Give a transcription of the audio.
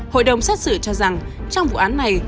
hội đồng xét xử cho rằng trong vụ án này